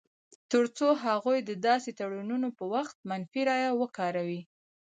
تر څو هغوی د داسې تړونونو پر وخت منفي رایه وکاروي.